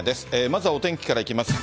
まずはお天気からいきます。